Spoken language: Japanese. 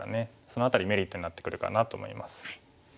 その辺りメリットになってくるかなと思います。